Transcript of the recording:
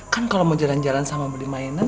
kan kalau mau jalan jalan sama beli mainan